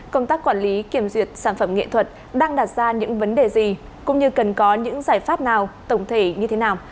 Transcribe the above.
công tác quản lý kiểm duyệt sản phẩm nghệ thuật đang đặt ra những vấn đề gì cũng như cần có những giải pháp nào tổng thể như thế nào